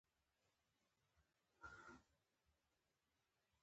په پښتو ادبیاتو کښي یو وخت له طبیعت څخه منظر انسانان ول.